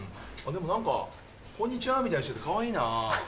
でも何か「こんにちは」みたいにしててかわいいな。